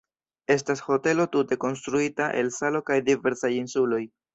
Estas hotelo tute konstruita el salo kaj diversaj insuloj.